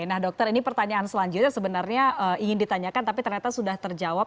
nah dokter ini pertanyaan selanjutnya sebenarnya ingin ditanyakan tapi ternyata sudah terjawab